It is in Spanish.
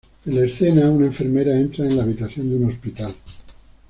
En la escena, una enfermera entra en la habitación de un hospital.